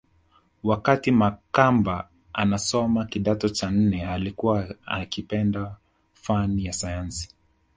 Wakati Makamba anasoma kidato cha nne alikuwa akipenda fani ya sayansi